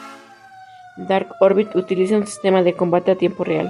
Dark Orbit utiliza un sistema de combate a tiempo real.